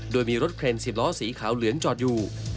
โดยมีรถเครน๑๐ล้อสีขาวเหลืองจอดอยู่